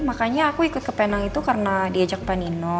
makanya aku ikut ke penang itu karena diajak panino